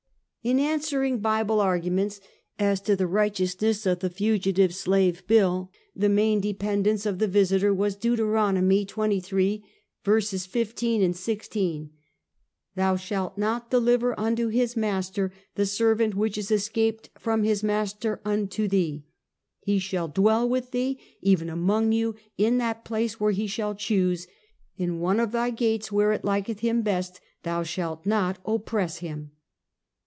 Bloomers. 139 In answering Bible arguments, as to the righteous ness of the Fugitive Slave Bill, the main dependence of the Visiter was Deuteronomy xxiii: 15 and 16: "Thou slialt not deliver unto his master, the servant which is escaped from his master unto thee. "He shall dwell with thee, even among you, in that place where he shall choose, in one of thy gates, where it liketh him best, thou shalt not oppress him."